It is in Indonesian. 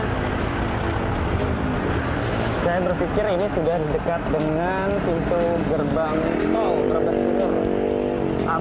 saya berpikir ini sudah dekat dengan pintu gerbang tol brebes timur